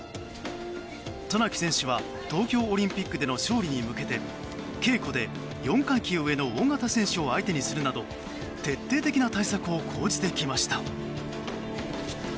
渡名喜選手は東京オリンピックでの勝利に向けて稽古で４階級上の大型選手を相手にするなど徹底的な対策を講じてきました。